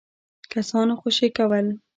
کسان خوشي کول.